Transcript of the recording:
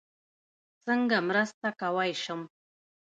څنګه مرسته کوی شم؟